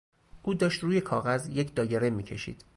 او داشت روی کاغذ یک دایره میکشید.